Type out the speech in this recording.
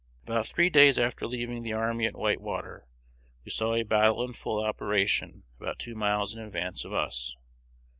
"About three days after leaving the army at Whitewater, we saw a battle in full operation about two miles in advance of us.